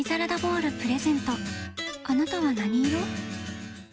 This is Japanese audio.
あなたは何色？